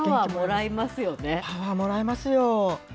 パワーもらえますよ。